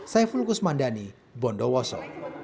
saya fulkus mandani bondowoso